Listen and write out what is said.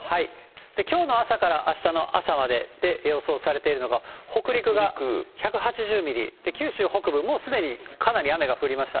きょうの朝からあしたの朝までで、予想されているのが、北陸が１８０ミリ、九州北部、もうすでにかなり雨が降りました。